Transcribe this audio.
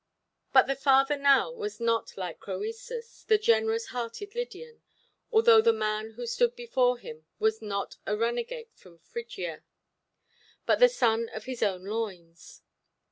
But the father now was not like Croesus, the generous–hearted Lydian, although the man who stood before him was not a runagate from Phrygia, but the son of his own loins.